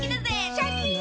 シャキン！